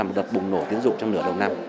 một đợt bùng nổ tiến dụng trong nửa đầu năm